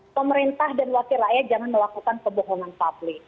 pemerintah dan wakil rakyat jangan melakukan kebohongan publik